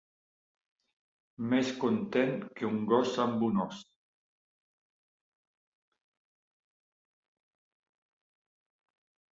Més content que un gos amb un os.